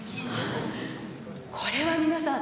これは皆さん